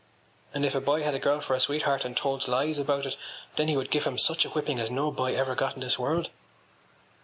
And if a boy had a girl for a sweetheart and told lies about it then he would give him such a whipping as no boy ever got in this world.